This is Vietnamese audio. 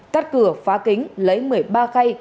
tắt cửa phá kính lấy một mươi ba khay